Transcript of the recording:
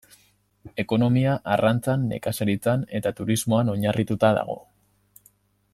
Ekonomia arrantzan nekazaritzan eta turismoan oinarrituta dago.